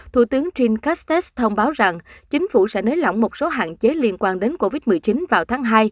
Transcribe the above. thủ tướng jin castexet thông báo rằng chính phủ sẽ nới lỏng một số hạn chế liên quan đến covid một mươi chín vào tháng hai